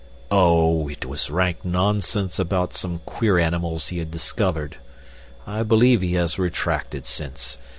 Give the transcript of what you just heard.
"Oh, it was rank nonsense about some queer animals he had discovered. I believe he has retracted since.